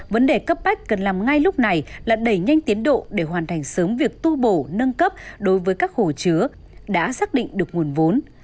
vấn đề cấp bách cần làm ngay lúc này là đẩy nhanh tiến độ để hoàn thành sớm việc tu bổ nâng cấp đối với các hồ chứa đã xác định được nguồn vốn